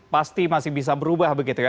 pasti masih bisa berubah begitu ya